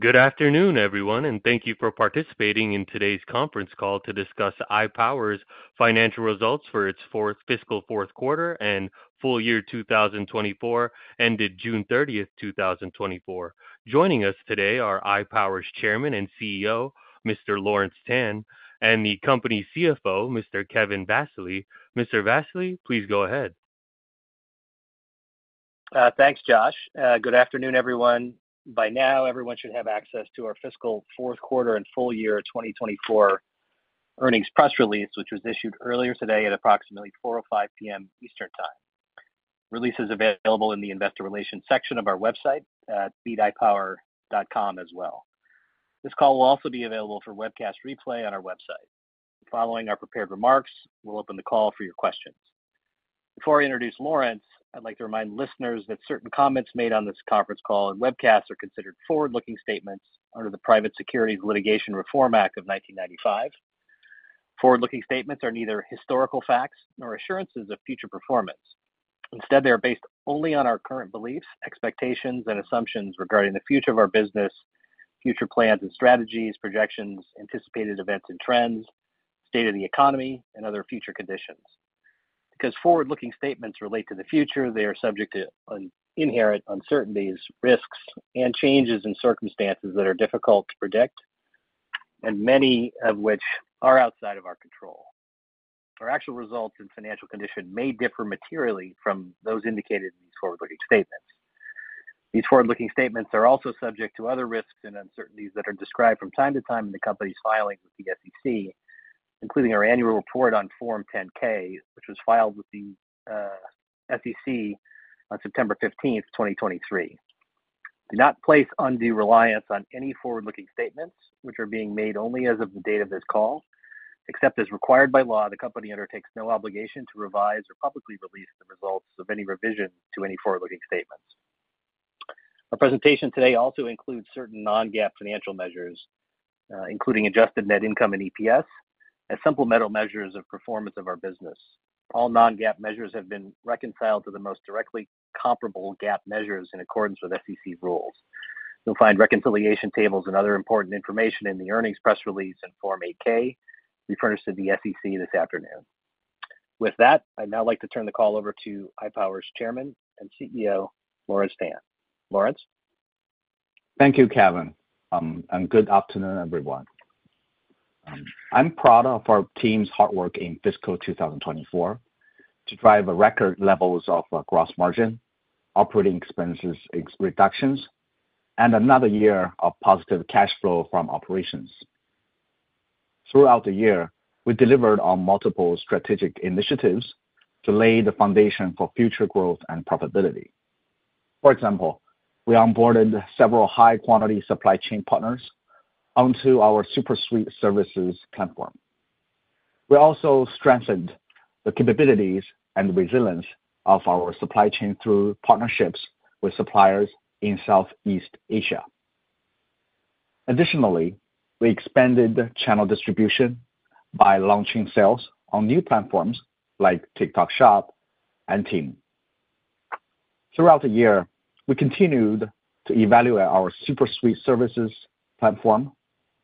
Good afternoon, everyone, and thank you for participating in today's conference call to discuss iPower's financial results for its fiscal fourth quarter and full year 2024, ended June 30th, 2024. Joining us today are iPower's Chairman and CEO, Mr. Lawrence Tan, and the company's CFO, Mr. Kevin Vassily. Mr. Vassily, please go ahead. Thanks, Josh. Good afternoon, everyone. By now, everyone should have access to our fiscal fourth quarter and full year 2024 earnings press release, which was issued earlier today at approximately 4 P.M. or 5 P.M. Eastern Time. The release is available in the Investor Relations section of our website at ir.meetipower.com as well. This call will also be available for webcast replay on our website. Following our prepared remarks, we'll open the call for your questions. Before I introduce Lawrence, I'd like to remind listeners that certain comments made on this conference call and webcast are considered forward-looking statements under the Private Securities Litigation Reform Act of 1995. Forward-looking statements are neither historical facts nor assurances of future performance. Instead, they are based only on our current beliefs, expectations, and assumptions regarding the future of our business, future plans and strategies, projections, anticipated events and trends, state of the economy, and other future conditions. Because forward-looking statements relate to the future, they are subject to inherent uncertainties, risks, and changes in circumstances that are difficult to predict, and many of which are outside of our control. Our actual results and financial condition may differ materially from those indicated in these forward-looking statements. These forward-looking statements are also subject to other risks and uncertainties that are described from time to time in the company's filings with the SEC, including our annual report on Form 10-K, which was filed with the SEC on September 15th, 2023. Do not place undue reliance on any forward-looking statements which are being made only as of the date of this call. Except as required by law, the company undertakes no obligation to revise or publicly release the results of any revision to any forward-looking statements. Our presentation today also includes certain non-GAAP financial measures, including adjusted net income and EPS, as supplemental measures of performance of our business. All non-GAAP measures have been reconciled to the most directly comparable GAAP measures in accordance with SEC rules. You'll find reconciliation tables and other important information in the earnings press release and Form 8-K we furnished to the SEC this afternoon. With that, I'd now like to turn the call over to iPower's Chairman and CEO, Lawrence Tan. Lawrence? Thank you, Kevin, and good afternoon, everyone. I'm proud of our team's hard work in fiscal 2024 to drive a record levels of gross margin, OpEx reductions, and another year of positive cash flow from operations. Throughout the year, we delivered on multiple strategic initiatives to lay the foundation for future growth and profitability. For example, we onboarded several high-quality supply chain partners onto our SuperSuite services platform. We also strengthened the capabilities and resilience of our supply chain through partnerships with suppliers in Southeast Asia. Additionally, we expanded channel distribution by launching sales on new platforms like TikTok Shop and Temu. Throughout the year, we continued to evolve our SuperSuite services platform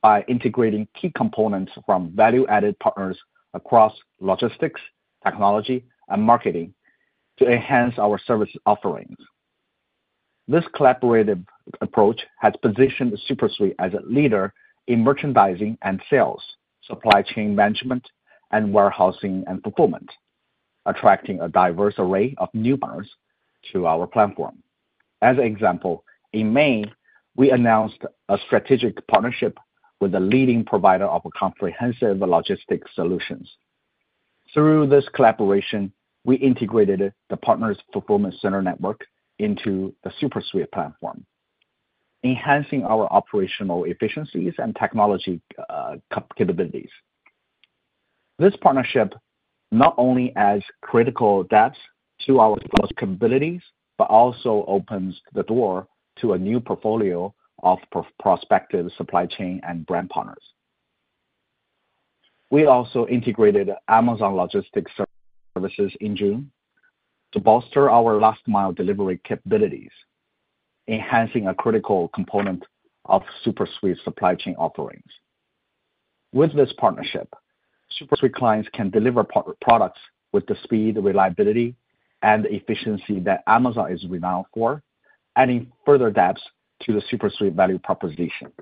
by integrating key components from value-added partners across logistics, technology, and marketing to enhance our service offerings. This collaborative approach has positioned SuperSuite as a leader in merchandising and sales, supply chain management, and warehousing and fulfillment, attracting a diverse array of new partners to our platform. As an example, in May, we announced a strategic partnership with the leading provider of comprehensive logistics solutions. Through this collaboration, we integrated the partner's fulfillment center network into the SuperSuite platform, enhancing our operational efficiencies and technology capabilities. This partnership not only adds critical depth to our capabilities, but also opens the door to a new portfolio of prospective supply chain and brand partners. We also integrated Amazon Logistics services in June to bolster our last mile delivery capabilities, enhancing a critical component of SuperSuite's supply chain offerings. With this partnership, SuperSuite clients can deliver products with the speed, reliability, and efficiency that Amazon is renowned for, adding further depth to the SuperSuite value proposition.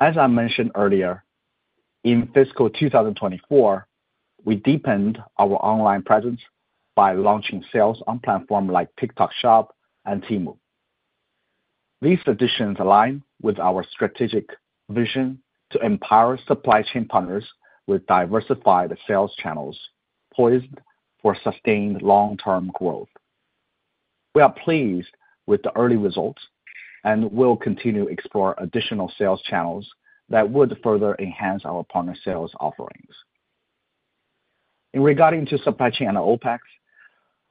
As I mentioned earlier, in fiscal 2024, we deepened our online presence by launching sales on platform like TikTok Shop and Temu. These additions align with our strategic vision to empower supply chain partners with diversified sales channels, poised for sustained long-term growth. We are pleased with the early results and will continue to explore additional sales channels that would further enhance our partner sales offerings. In regard to supply chain and OpEx,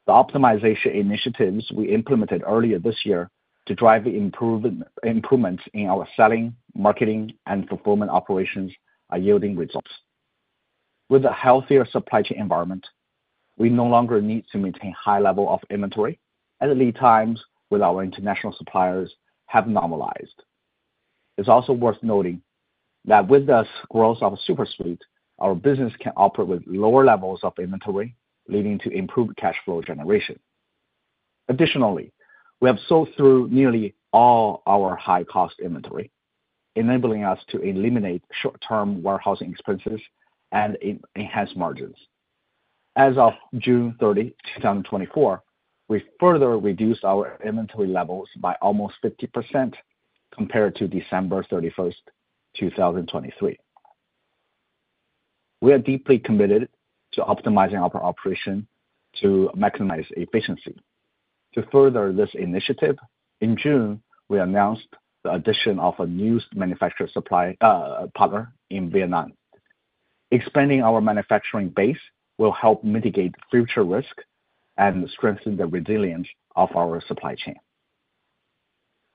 the optimization initiatives we implemented earlier this year to drive improvements in our selling, marketing, and fulfillment operations are yielding results. With a healthier supply chain environment, we no longer need to maintain high level of inventory, and the lead times with our international suppliers have normalized. It's also worth noting that with the growth of SuperSuite, our business can operate with lower levels of inventory, leading to improved cash flow generation. Additionally, we have sold through nearly all our high-cost inventory, enabling us to eliminate short-term warehousing expenses and enhance margins. As of June 30, 2024, we further reduced our inventory levels by almost 50% compared to December 31, 2023. We are deeply committed to optimizing our operation to maximize efficiency. To further this initiative, in June, we announced the addition of a new manufacturer supply partner in Vietnam. Expanding our manufacturing base will help mitigate future risk and strengthen the resilience of our supply chain.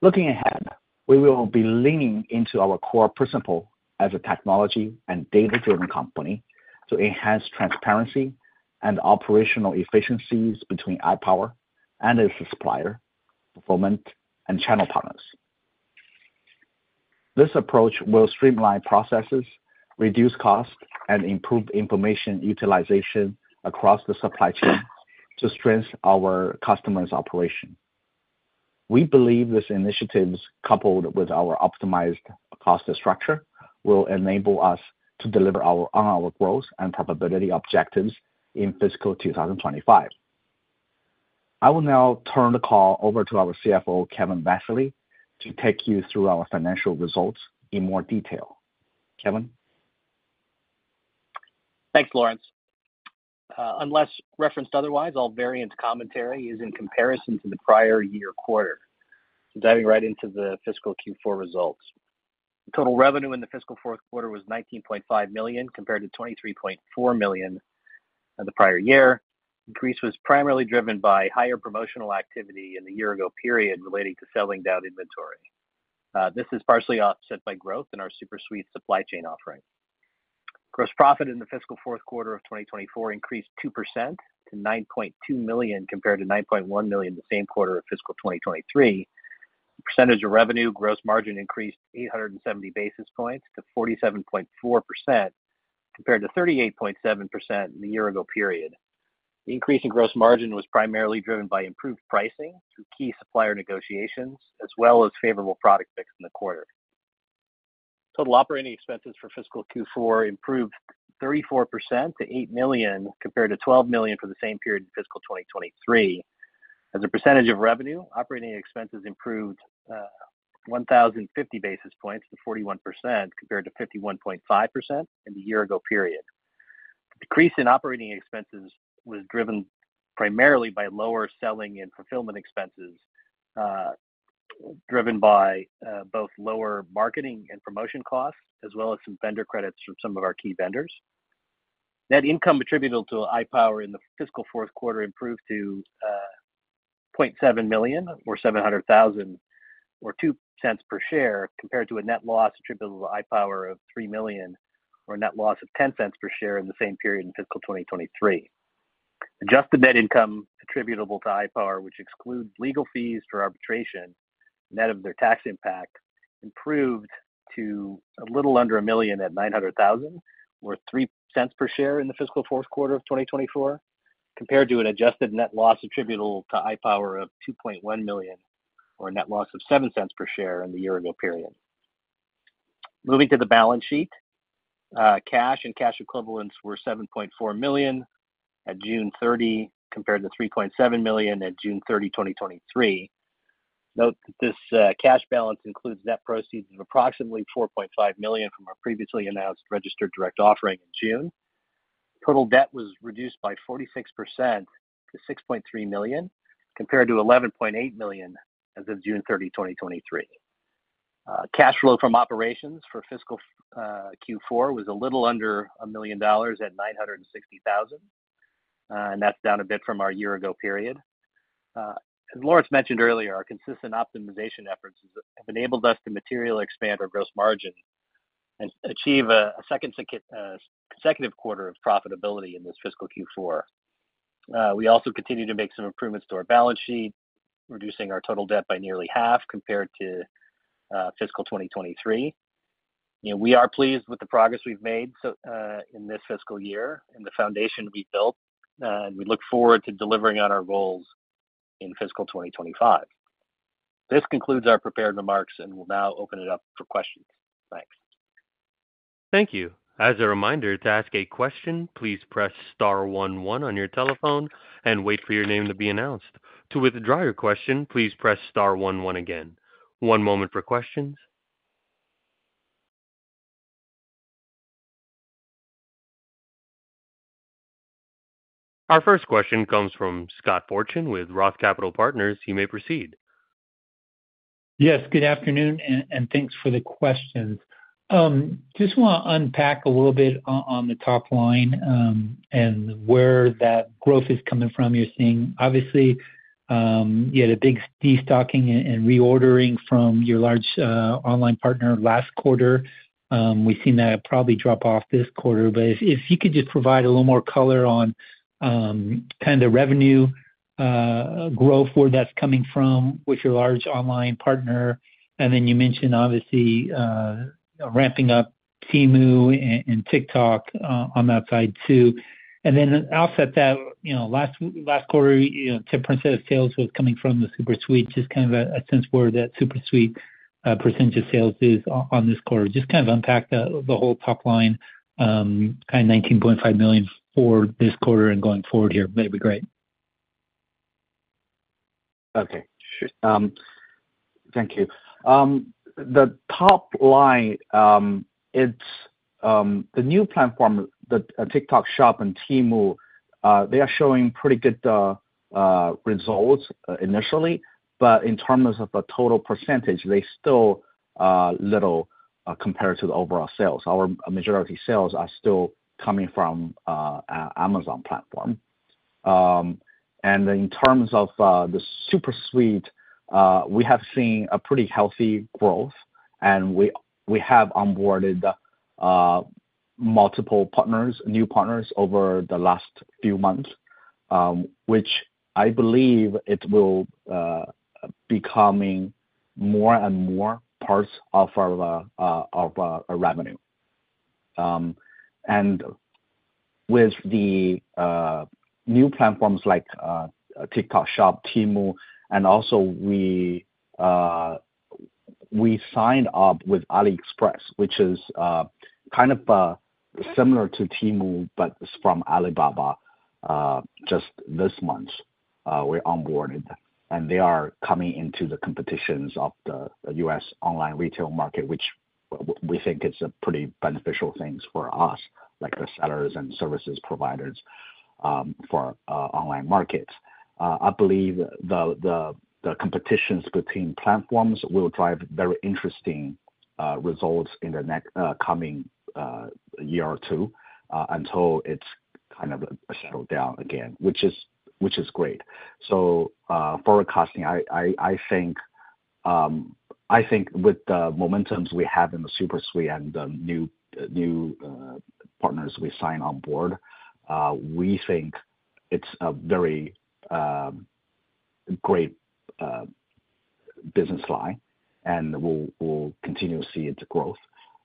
Looking ahead, we will be leaning into our core principle as a technology and data-driven company to enhance transparency and operational efficiencies between iPower and its supplier, fulfillment, and channel partners. This approach will streamline processes, reduce costs, and improve information utilization across the supply chain to strengthen our customers' operation. We believe these initiatives, coupled with our optimized cost structure, will enable us to deliver on our growth and profitability objectives in fiscal 2025. I will now turn the call over to our CFO, Kevin Vassily, to take you through our financial results in more detail. Kevin? Thanks, Lawrence. Unless referenced otherwise, all variance commentary is in comparison to the prior year quarter. Diving right into the fiscal Q4 results. Total revenue in the fiscal fourth quarter was $19.5 million, compared to $23.4 million in the prior year. Increase was primarily driven by higher promotional activity in the year-ago period relating to selling down inventory. This is partially offset by growth in our SuperSuite supply chain offering. Gross profit in the fiscal fourth quarter of 2024 increased 2% to $9.2 million, compared to $9.1 million the same quarter of fiscal 2023. Percentage of revenue, gross margin increased 870 basis points to 47.4%, compared to 38.7% in the year-ago period. The increase in gross margin was primarily driven by improved pricing through key supplier negotiations, as well as favorable product mix in the quarter. Total operating expenses for fiscal Q4 improved 34% to $8 million, compared to $12 million for the same period in fiscal 2023. As a percentage of revenue, operating expenses improved 1050 basis points to 41%, compared to 51.5% in the year-ago period. Decrease in operating expenses was driven primarily by lower selling and fulfillment expenses driven by both lower marketing and promotion costs, as well as some vendor credits from some of our key vendors. Net income attributable to iPower in the fiscal fourth quarter improved to $0.7 million or $700,000, or $0.02 per share, compared to a net loss attributable to iPower of $3 million, or a net loss of $0.10 per share in the same period in fiscal 2023. Adjusted net income attributable to iPower, which excludes legal fees for arbitration, net of their tax impact, improved to a little under a million at $900,000, or $0.03 per share in the fiscal fourth quarter of 2024, compared to an adjusted net loss attributable to iPower of $2.1 million, or a net loss of $0.07 per share in the year-ago period. Moving to the balance sheet, cash and cash equivalents were $7.4 million at June 30, compared to $3.7 million at June 30, 2023. Note that this cash balance includes net proceeds of approximately $4.5 million from our previously announced registered direct offering in June. Total debt was reduced by 46% to $6.3 million, compared to $11.8 million as of June 30, 2023. Cash flow from operations for fiscal Q4 was a little under a million dollars at $960,000, and that's down a bit from our year-ago period. As Lawrence mentioned earlier, our consistent optimization efforts have enabled us to materially expand our gross margin and achieve a second consecutive quarter of profitability in this fiscal Q4. We also continue to make some improvements to our balance sheet, reducing our total debt by nearly half compared to fiscal 2023. You know, we are pleased with the progress we've made so, in this fiscal year and the foundation we built, and we look forward to delivering on our goals in fiscal 2025. This concludes our prepared remarks, and we'll now open it up for questions. Thanks. Thank you. As a reminder, to ask a question, please press star one one on your telephone and wait for your name to be announced. To withdraw your question, please press star one one again. One moment for questions. Our first question comes from Scott Fortune with Roth Capital Partners. You may proceed. Yes, good afternoon, and thanks for the questions. Just want to unpack a little bit on the top line, and where that growth is coming from. You're seeing, obviously, you had a big destocking and reordering from your large online partner last quarter. We've seen that probably drop off this quarter. But if you could just provide a little more color on kind of the revenue growth, where that's coming from with your large online partner. And then you mentioned, obviously, ramping up Temu and TikTok on that side too. And then offset that, you know, last quarter, you know, 10% of sales was coming from the SuperSuite. Just kind of a sense where that SuperSuite percentage of sales is on this quarter. Just kind of unpack the whole top line, kind of $19.5 million for this quarter and going forward here, that'd be great. Okay, sure. Thank you. The top line, it's the new platform, the TikTok Shop and Temu, they are showing pretty good results initially. But in terms of the total percentage, they still little compared to the overall sales. Our majority sales are still coming from Amazon platform. And in terms of the SuperSuite, we have seen a pretty healthy growth, and we have onboarded multiple partners, new partners, over the last few months, which I believe it will becoming more and more parts of our revenue. And with the new platforms like TikTok Shop, Temu, and also we signed up with AliExpress, which is kind of similar to Temu, but it's from Alibaba. Just this month, we onboarded, and they are coming into the competitions of the U.S. online retail market, which we think it's a pretty beneficial things for us, like the sellers and services providers for online markets. I believe the competitions between platforms will drive very interesting results in the next coming year or two until it's kind of settled down again, which is great. So, forecasting, I think with the momentums we have in the SuperSuite and the new partners we sign on board, we think it's a very great business line, and we'll continue to see its growth.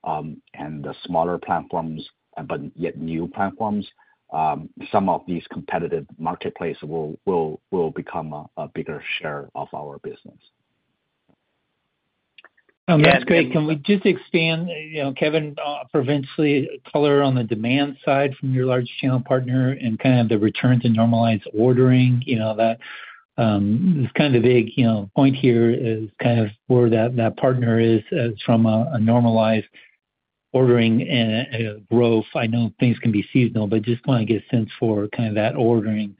And the smaller platforms, but yet new platforms, some of these competitive marketplace will become a bigger share of our business. That's great. Can we just expand, you know, Kevin, provide some color on the demand side from your large channel partner and kind of the return to normalized ordering? You know, that it's kind of a big, you know, point here is kind of where that partner is from a normalized ordering and growth. I know things can be seasonal, but just want to get a sense for kind of that ordering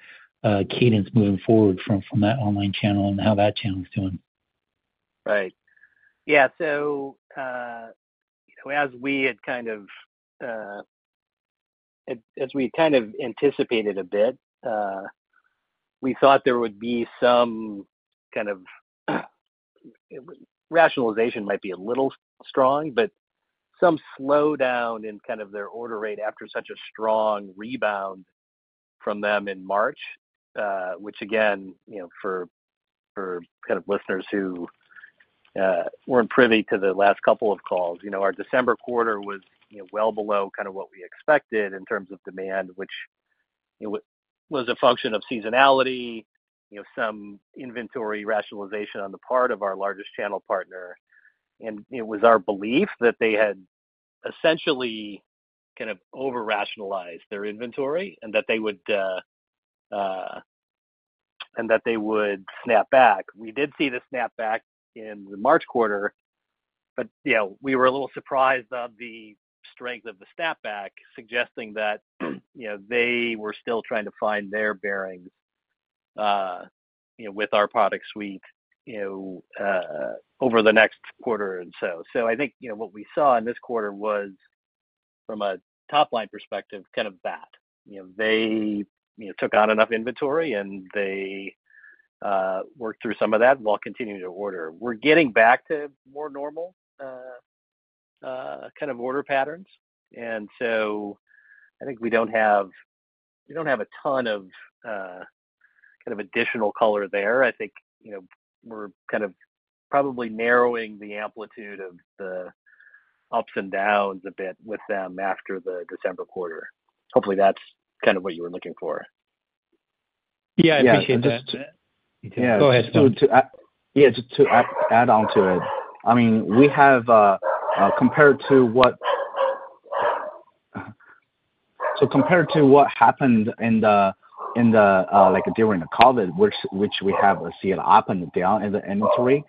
cadence moving forward from that online channel and how that channel is doing. Right. Yeah, so, as we had kind of anticipated a bit, we thought there would be some kind of, rationalization might be a little strong, but some slowdown in kind of their order rate after such a strong rebound from them in March. Which again, you know, for kind of listeners who weren't privy to the last couple of calls, you know, our December quarter was, you know, well below kind of what we expected in terms of demand, which, you know, was a function of seasonality, you know, some inventory rationalization on the part of our largest channel partner. And it was our belief that they had essentially kind of over-rationalized their inventory, and that they would snap back. We did see the snap back in the March quarter, but, you know, we were a little surprised of the strength of the snap back, suggesting that, you know, they were still trying to find their bearings, you know, with our product suite, you know, over the next quarter and so, so I think, you know, what we saw in this quarter was, from a top-line perspective, kind of that. You know, they, you know, took on enough inventory, and they, worked through some of that while continuing to order. We're getting back to more normal, kind of order patterns, and so I think we don't have, we don't have a ton of, kind of additional color there. I think, you know, we're kind of probably narrowing the amplitude of the ups and downs a bit with them after the December quarter. Hopefully, that's kind of what you were looking for. Yeah, I appreciate that. Yeah. Go ahead, Lawrence. So, yeah, just to add on to it, I mean, we have compared to what happened in the like during the COVID, which we have seen up and down in the inventory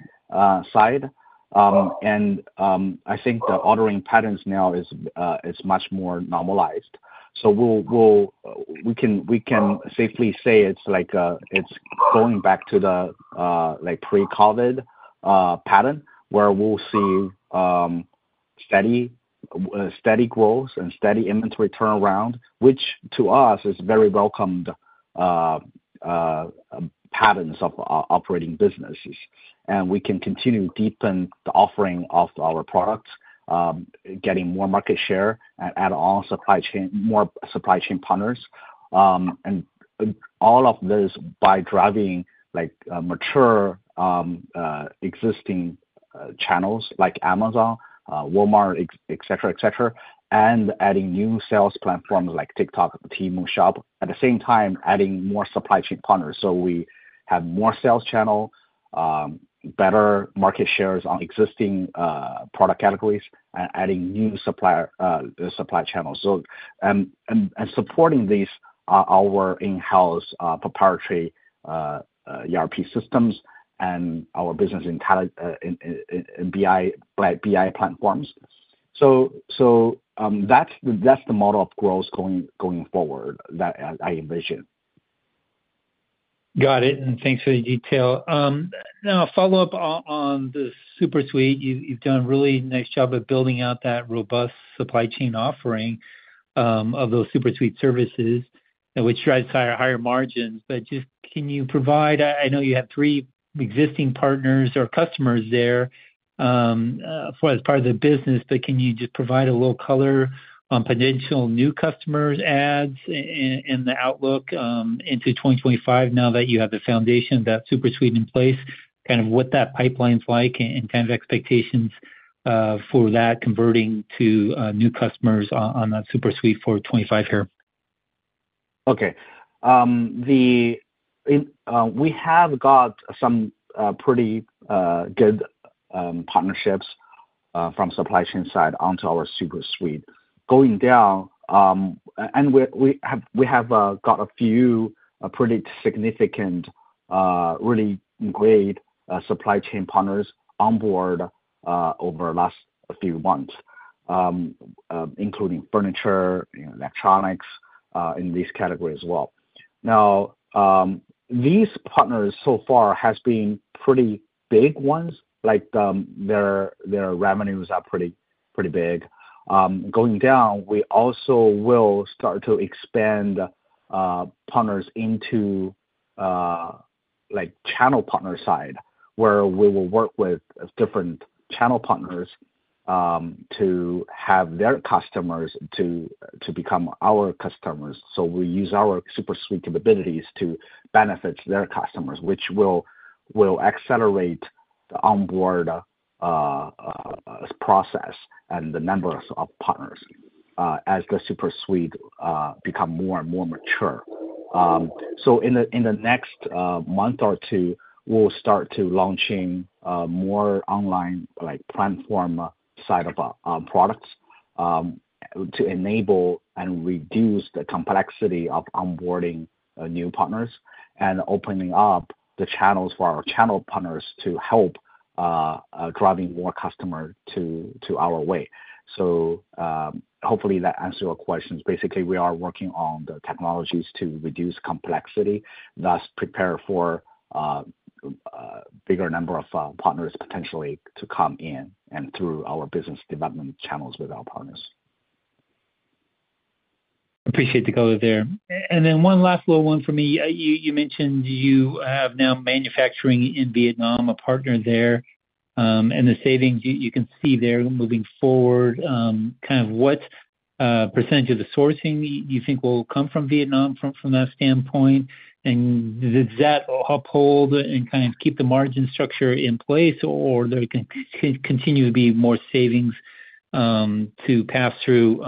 side. And I think the ordering patterns now is much more normalized. So we can safely say it's like it's going back to the like pre-COVID pattern, where we'll see steady growth and steady inventory turnaround, which to us is very welcomed patterns of operating businesses. And we can continue to deepen the offering of our products, getting more market share and add on supply chain, more supply chain partners. And all of this by driving, like, mature existing channels like Amazon, Walmart, etc., and adding new sales platforms like TikTok Shop, Temu. At the same time, adding more supply chain partners. So we have more sales channel, better market shares on existing product categories, and adding new supplier supply channels. So, and supporting these are our in-house proprietary ERP systems and our business intelligence BI platforms. So, that's the model of growth going forward that I envision. Got it, and thanks for the detail. Now a follow-up on the SuperSuite. You've done a really nice job of building out that robust supply chain offering of those SuperSuite services, and which drives higher margins. But just can you provide. I know you have three existing partners or customers there for as part of the business, but can you just provide a little color on potential new customers adds in the outlook into 2025, now that you have the foundation of that SuperSuite in place? Kind of what that pipeline's like and kind of expectations for that converting to new customers on that SuperSuite for 2025 here. Okay. We have got some pretty good partnerships from supply chain side onto our SuperSuite. Going down, and we have got a few pretty significant really great supply chain partners on board over the last few months, including furniture and electronics in this category as well. Now, these partners so far has been pretty big ones, like, their revenues are pretty big. Going down, we also will start to expand partners into like channel partner side, where we will work with different channel partners to have their customers to become our customers. So we use our SuperSuite capabilities to benefit their customers, which will accelerate the onboard process and the numbers of partners as the SuperSuite become more and more mature. In the next month or two, we'll start to launching more online, like, platform side of products to enable and reduce the complexity of onboarding new partners, and opening up the channels for our channel partners to help driving more customer to our way. Hopefully, that answers your questions. Basically, we are working on the technologies to reduce complexity, thus prepare for bigger number of partners potentially to come in and through our business development channels with our partners. Appreciate the color there. And then one last little one for me. You mentioned you have now manufacturing in Vietnam, a partner there, and the savings you can see there moving forward. Kind of what percentage of the sourcing you think will come from Vietnam from that standpoint? And does that uphold and kind of keep the margin structure in place, or there can continue to be more savings to pass through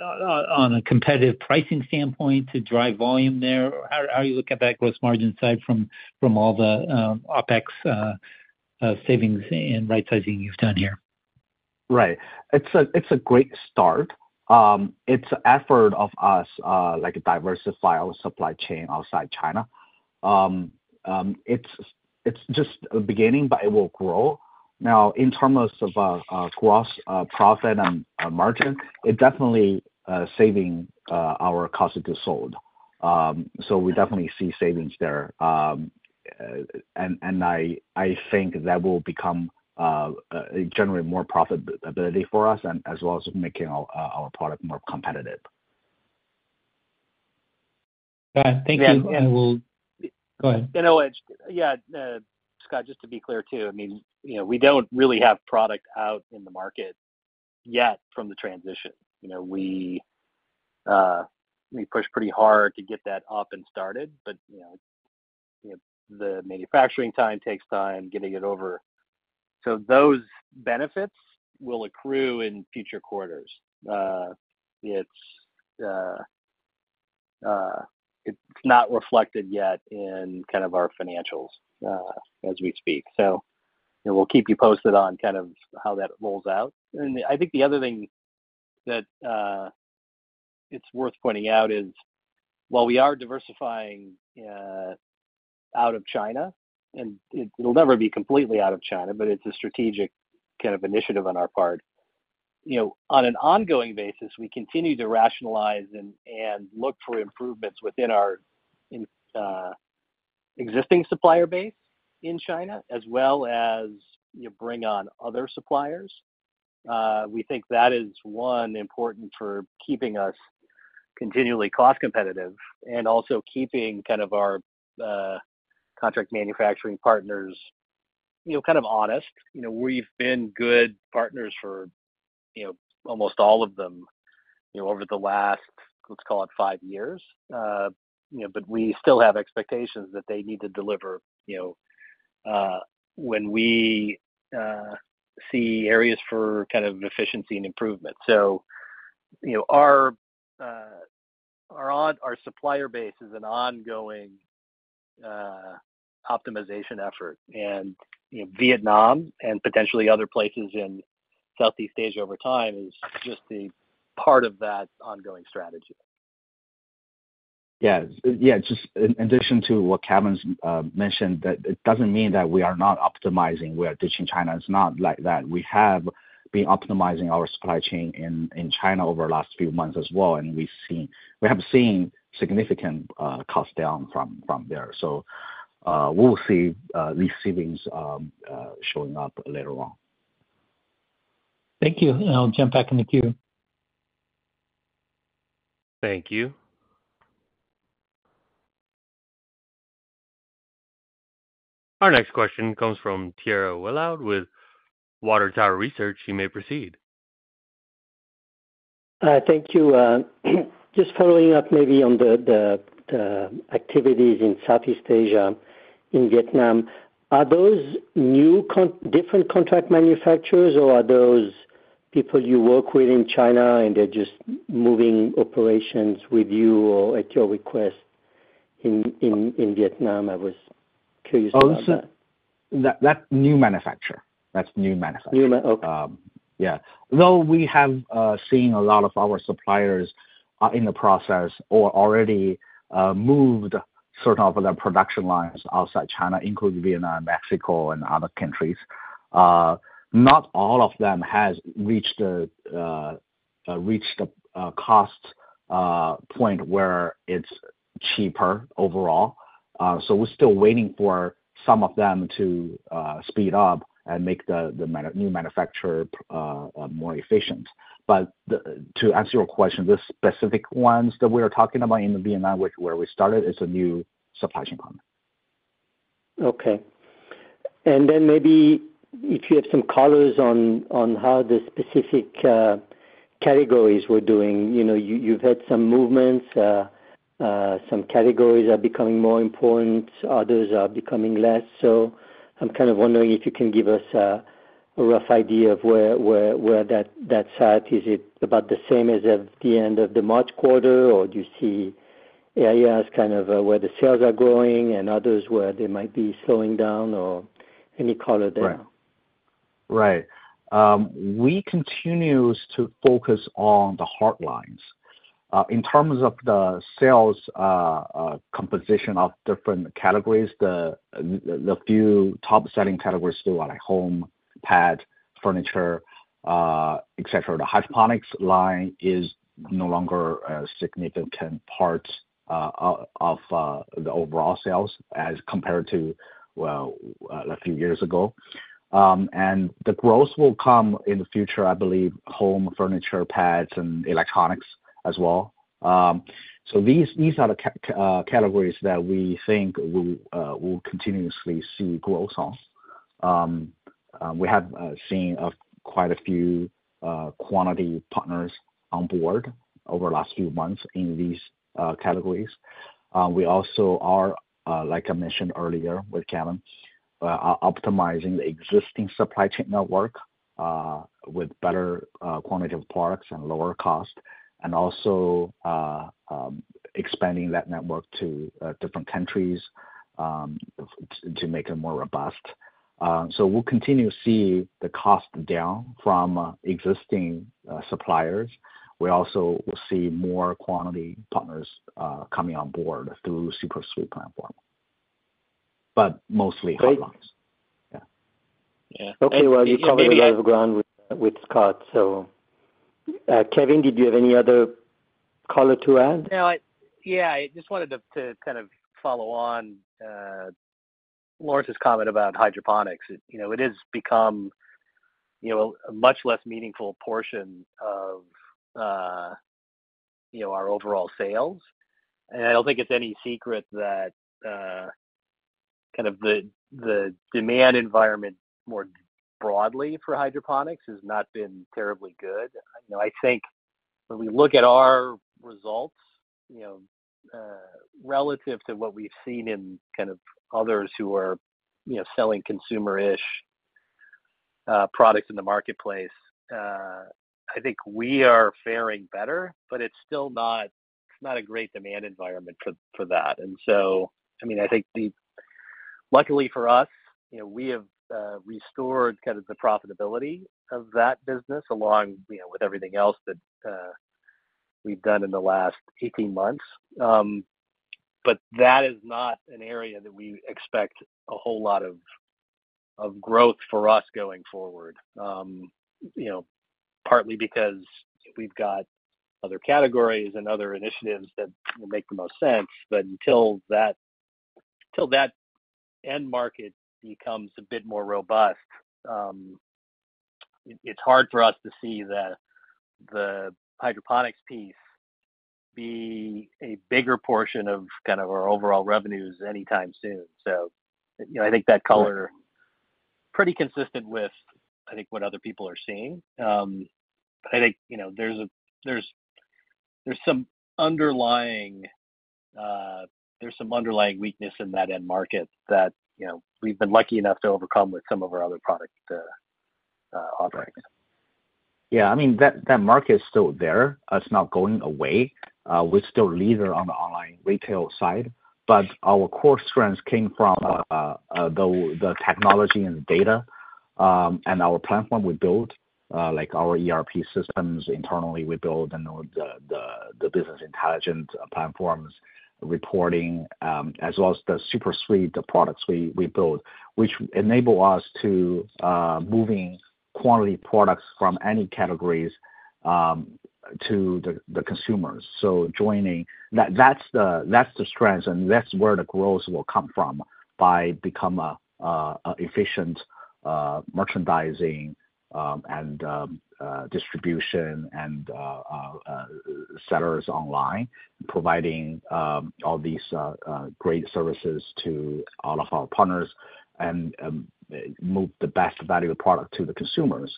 on a competitive pricing standpoint to drive volume there? How are you looking at that gross margin side from all the OpEx savings and right-sizing you've done here? Right. It's a great start. It's our effort to diversify our supply chain outside China. It's just a beginning, but it will grow. Now, in terms of gross profit and margin, it definitely saving our cost of goods sold. So we definitely see savings there. And I think that will generate more profitability for us, and as well as making our product more competitive. Thank you. Yeah, and we'll- Go ahead. Oh, yeah, Scott, just to be clear, too, I mean, you know, we don't really have product out in the market yet from the transition. You know, we pushed pretty hard to get that up and started, but, you know, the manufacturing time takes time, getting it over. Those benefits will accrue in future quarters. It's not reflected yet in kind of our financials, as we speak. We'll keep you posted on kind of how that rolls out. I think the other thing that it's worth pointing out is, while we are diversifying out of China, and it will never be completely out of China, but it's a strategic kind of initiative on our part. You know, on an ongoing basis, we continue to rationalize and look for improvements within our... Existing supplier base in China, as well as you bring on other suppliers. We think that is one important for keeping us continually cost competitive and also keeping kind of our contract manufacturing partners, you know, kind of honest. You know, we've been good partners for, you know, almost all of them, you know, over the last, let's call it, five years. You know, but we still have expectations that they need to deliver, you know, when we see areas for kind of efficiency and improvement. So, you know, our supplier base is an ongoing optimization effort, and you know, Vietnam and potentially other places in Southeast Asia over time is just the part of that ongoing strategy. Yes. Yeah, just in addition to what Kevin's mentioned, that it doesn't mean that we are not optimizing, we are ditching China. It's not like that. We have been optimizing our supply chain in China over the last few months as well, and we've seen significant cost down from there. So, we'll see these savings showing up later on. Thank you. I'll jump back in the queue. Thank you. Our next question comes from Thierry Wuilloud with Water Tower Research. You may proceed. Thank you. Just following up maybe on the activities in Southeast Asia, in Vietnam. Are those new, different contract manufacturers, or are those people you work with in China, and they're just moving operations with you or at your request in Vietnam? I was curious about that. Oh, so that's new manufacturer. Okay. Yeah. Though we have seen a lot of our suppliers in the process or already moved sort of their production lines outside China, including Vietnam, Mexico, and other countries, not all of them has reached the cost point where it's cheaper overall. So we're still waiting for some of them to speed up and make the new manufacturer more efficient. But to answer your question, the specific ones that we are talking about in Vietnam, which is where we started, is a new supply chain partner. Okay. And then maybe if you have some colors on how the specific categories were doing. You know, you've had some movements, some categories are becoming more important, others are becoming less. So I'm kind of wondering if you can give us a rough idea of where that sat. Is it about the same as at the end of the March quarter, or do you see areas kind of where the sales are growing and others where they might be slowing down, or any color there? Right. Right. We continues to focus on the hardlines. In terms of the sales composition of different categories, the few top-selling categories still are like home, pet, furniture, etc. The hydroponics line is no longer a significant part of the overall sales as compared to, well, a few years ago, and the growth will come in the future, I believe, home, furniture, pets, and electronics as well, so these are the categories that we think we will continuously see growth on. We have seen quite a few quality partners on board over the last few months in these categories. We also are, like I mentioned earlier with Kevin, optimizing the existing supply chain network with better quality of products and lower cost, and also expanding that network to different countries to make it more robust. So we'll continue to see the cost down from existing suppliers. We also will see more quality partners coming on board through SuperSuite platform, but mostly hardlines. Great. Yeah. Yeah. Okay, well, you covered a lot of ground with Scott, so... Kevin, did you have any other color to add? No, yeah, I just wanted to kind of follow on Lawrence's comment about hydroponics. You know, it has become, you know, a much less meaningful portion of our overall sales. And I don't think it's any secret that kind of the demand environment, more broadly for hydroponics, has not been terribly good. You know, I think when we look at our results, you know, relative to what we've seen in kind of others who are selling consumer-ish products in the marketplace, I think we are faring better, but it's still not a great demand environment for that. And so, I mean, I think, luckily for us, you know, we have restored kind of the profitability of that business along, you know, with everything else that we've done in the last 18 months, but that is not an area that we expect a whole lot of growth for us going forward. You know, partly because we've got other categories and other initiatives that will make the most sense, but until that, till that end market becomes a bit more robust, it's hard for us to see the hydroponics piece be a bigger portion of kind of our overall revenues anytime soon, so you know, I think that color pretty consistent with, I think, what other people are seeing. I think, you know, there's some underlying weakness in that end market that, you know, we've been lucky enough to overcome with some of our other product offerings. Yeah. I mean, that market is still there. It's not going away. We're still leader on the online retail side, but our core strengths came from the technology and the data. And our platform we built, like our ERP systems internally, we build, and the business intelligence platforms, reporting, as well as the SuperSuite, the products we build, which enable us to moving quality products from any categories to the consumers. So joining-- That, that's the strength, and that's where the growth will come from, by become a efficient merchandising and sellers online, providing all these great services to all of our partners and move the best value of product to the consumers.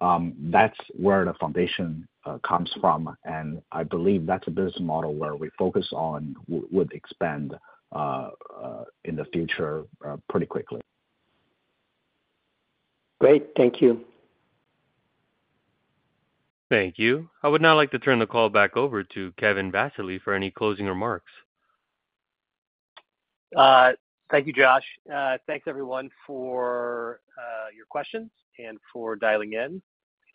That's where the foundation comes from, and I believe that's a business model where we focus on would expand in the future pretty quickly. Great, thank you. Thank you. I would now like to turn the call back over to Kevin Vassily for any closing remarks. Thank you, Josh. Thanks everyone for your questions and for dialing in.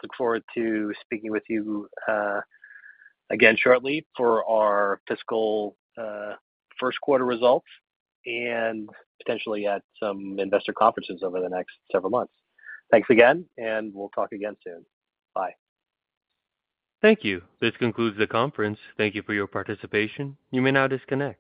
Look forward to speaking with you again shortly for our fiscal first quarter results and potentially at some investor conferences over the next several months. Thanks again, and we'll talk again soon. Bye. Thank you. This concludes the conference. Thank you for your participation. You may now disconnect.